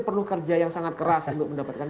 perlu kerja yang sangat keras untuk mendapatkan